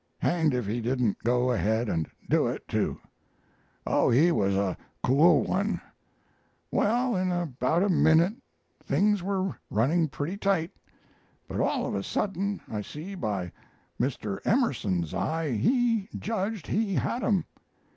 Hang'd if he didn't go ahead and do it, too! Oh, he was a cool one! Well, in about a minute things were running pretty tight, but all of a sudden I see by Mr. Emerson's eye he judged he had 'em.